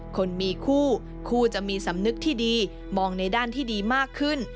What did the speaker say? คนมีคู่คู่จะมีสำนึกที่ดีมองในด้านที่ดีมากขึ้น